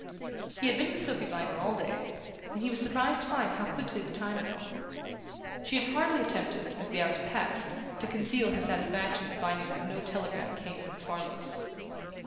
He had been with Sophy Viner all day, and he was surprised to find how quickly the time had gone. She had hardly attempted, as the hours passed, to conceal her satisfaction on finding that no telegram came from the Farlows.